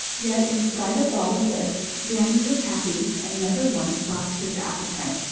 Yet in spite of all this, Danny was happy and never once lost his appetite.